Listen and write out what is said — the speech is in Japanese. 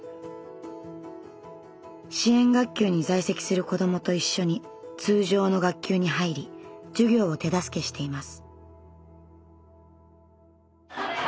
支援学級に在籍する子どもと一緒に通常の学級に入り授業を手助けしています。